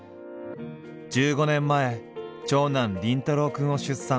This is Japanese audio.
１５年前長男凛太郎くんを出産。